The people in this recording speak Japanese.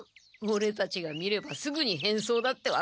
オレたちが見ればすぐに変装だって分かる。